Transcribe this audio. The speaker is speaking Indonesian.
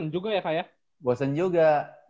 juga ya kak ya bosen juga